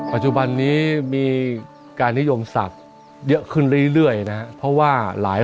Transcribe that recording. ปัจจุบันนี้มีการนิยมศักดิ์เยอะขึ้นเรื่อยนะครับเพราะว่าหลาย